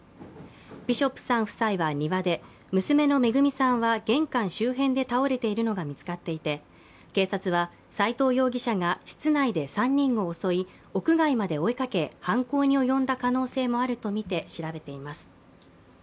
ビショップさん夫妻は庭で、娘の恵さんは玄関周辺で倒れているのが見つかっていて警察は斉藤容疑者が室内で３人を襲い屋外まで追いかけ犯行に及んだ可能性もあるとみて調べています。